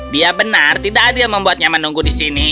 dia benar tidak adil membuat nyamanungku di sini